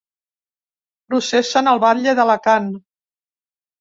Processen el batlle d’Alacant.